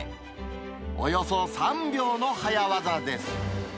およそ３秒の早業です。